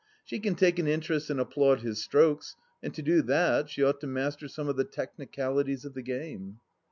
She can take an interest and applaud his strokes, and to do that she ought to master some of the technicalities of the game.